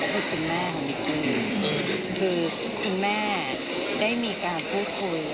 คุณแม่ของดีกว่าคือคุณแม่ได้มีการพูดคุย